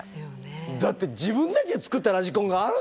だって自分たちで作ったラジコンがあるんですからね。